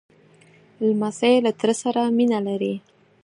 لمسی له تره سره مینه لري.